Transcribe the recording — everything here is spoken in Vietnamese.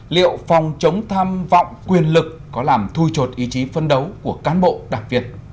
liệu phòng chống tham vọng quyền lực có làm thui chột ý chí phân đấu của cán bộ đặc biệt